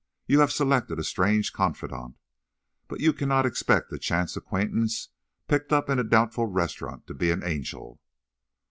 You have selected a strange confidante. But you cannot expect a chance acquaintance, picked up in a doubtful restaurant, to be an angel."